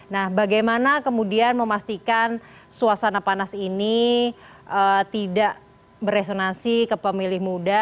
nah bagaimana kemudian memastikan suasana panas ini tidak beresonansi ke pemilih muda